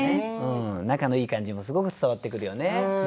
仲のいい感じもすごく伝わってくるよね。